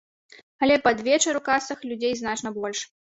Але пад вечар у касах людзей значна больш.